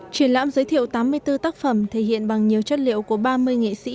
triển lãm giới thiệu tám mươi bốn tác phẩm thể hiện bằng nhiều chất liệu của ba mươi nghệ sĩ